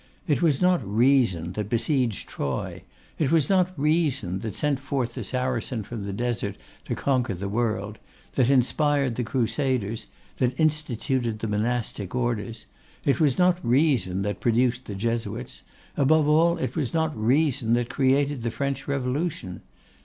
It was not Reason that besieged Troy; it was not Reason that sent forth the Saracen from the Desert to conquer the world; that inspired the Crusades; that instituted the Monastic orders; it was not Reason that produced the Jesuits; above all, it was not Reason that created the French Revolution.